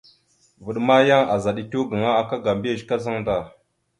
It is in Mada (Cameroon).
Vvaɗ ma yan azaɗ etew gaŋa aka ga mbiyez kazaŋ da.